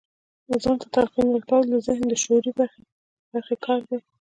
ځان ته تلقين کول د ذهن د شعوري برخې کار دی.